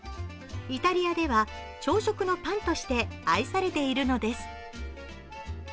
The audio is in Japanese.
イタリアでは朝食のパンとしてアイされているのです。